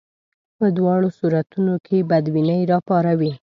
په دواړو صورتونو کې بدبیني راپاروي.